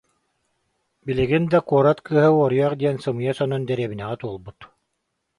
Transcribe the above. Билигин да «куорат кыыһа уоруйах» диэн сымыйа сонун дэриэбинэҕэ туолбут